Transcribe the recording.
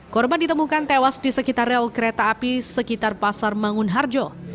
korban ditemukan tewas di sekitar rel kereta api sekitar pasar mangunharjo